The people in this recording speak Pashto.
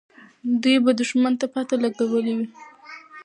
دوی به دښمن ته پته لګولې وي.